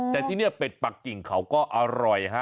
แต่ที่นี่เป็ดปักกิ่งเขาก็อร่อยฮะ